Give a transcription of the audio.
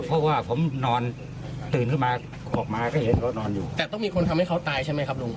เพราะว่าผมนอนอยู่ในนั้นมันเป็นตู้กระจกครับ